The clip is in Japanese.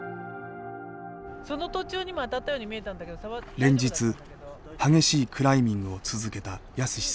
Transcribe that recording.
連日激しいクライミングを続けた泰史さん。